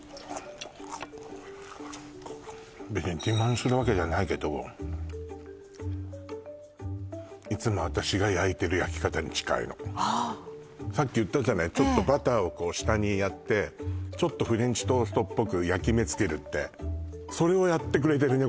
別に自慢するわけじゃないけどいつも私が焼いてる焼き方に近いのはあさっきいったじゃないちょっとバターをこう下にやってちょっとフレンチトーストっぽく焼き目つけるってそれをやってくれてるね